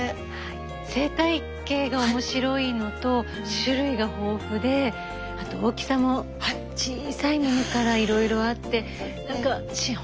生態系が面白いのと種類が豊富であと大きさも小さいものからいろいろあって何か本当神秘的ですね。